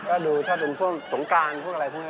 ก็ดูเทศกรรมช่วงสงการพวกอะไรพวกนั้น